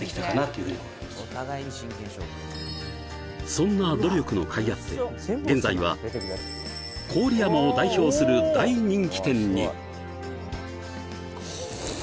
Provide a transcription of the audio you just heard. そんな努力の甲斐あって現在は郡山を代表する大人気店に！